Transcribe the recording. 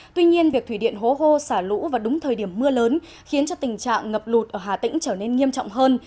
tuy nhiên việc thủy điện hố hô xả lũ vào đúng thời điểm mưa lớn khiến cho tình trạng ngập lụt ở hà tĩnh trở nên nghiêm trọng hơn